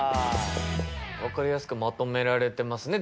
分かりやすくまとめられてますね。